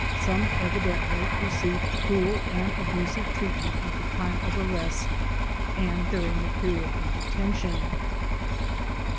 Some evidently received cruel and abusive treatment at the time of arrest and during the period of detention.